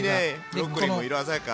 ブロッコリーも色鮮やか！